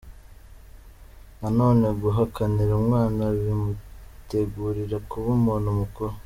Nanone guhakanira umwana bimutegurira kuba umuntu mukuru.